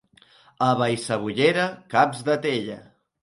A Vallcebollera, caps de teia.